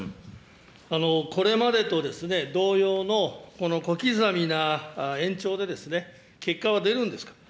これまでと同様の、この小刻みな延長で、結果は出るんですか。